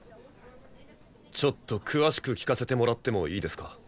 ちょっと詳しく聞かせてもらってもいいですか？